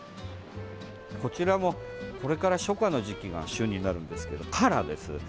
こちらも、これから初夏の時期が旬になるんですけど、カラーです。